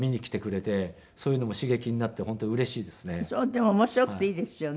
でも面白くていいですよね。